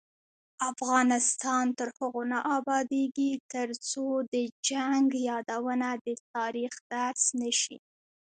افغانستان تر هغو نه ابادیږي، ترڅو د جنګ یادونه د تاریخ درس نشي.